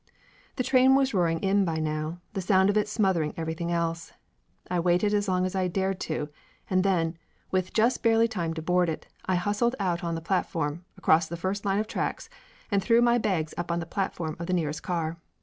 The train was roaring in by now, the sound of it smothering everything else. I waited as long as I dared to, and then, with just barely time to board it, I hustled out on the platform, across the first line of tracks, and threw my bags up on the platform of the nearest car.